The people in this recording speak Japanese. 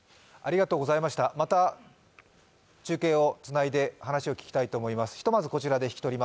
また、中継をつないで話を聞きたいと思います。